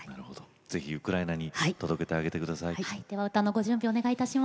ぜひウクライナに届けてあげてください。